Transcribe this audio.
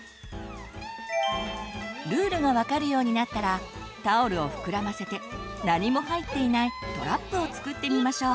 ルールが分かるようになったらタオルをふくらませて何も入っていないトラップを作ってみましょう。